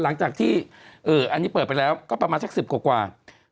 หลังจากที่อันนี้เปิดไปแล้วก็ประมาณสัก๑๐กว่า